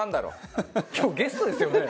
今日ゲストですよね？